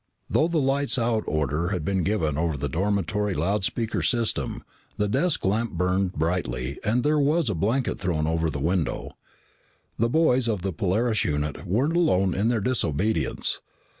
Though the lights out order had been given over the dormitory loud speaker system, the desk lamp burned brightly and there was a blanket thrown over the window. The boys of the Polaris unit weren't alone in their disobedience.